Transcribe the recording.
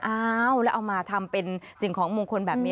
เอาแล้วเอามาทำเป็นสิ่งของมูลควรบอกกันบัน